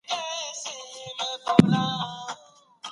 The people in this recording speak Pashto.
د ساساني دورې د پاچا لمړۍ شاپور